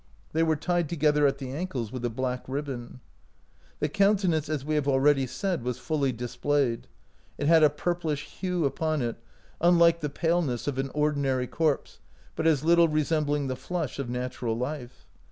They were tied together at the ankles with a black ribbon. "' The countenance, as we have already said, was fully displayed. It had a purplish hue upon it, unlike the paleness of an ordi nary corpse, but as little resembling the flush of natural life.